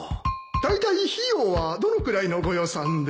だいたい費用はどのくらいのご予算で？